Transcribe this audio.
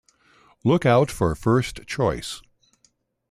Look Out for First Choice!